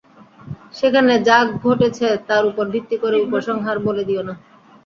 সেখানে যা ঘটেছে তার উপর ভিত্তি করে উপসংহার বলে দিও না।